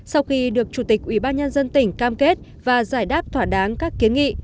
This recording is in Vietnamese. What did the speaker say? sau khi được chủ tịch ubnd tỉnh cam kết và giải đáp thỏa đáng các kiến nghị